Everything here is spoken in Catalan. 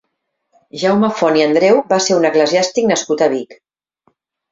Jaume Font i Andreu va ser un eclesiàstic nascut a Vic.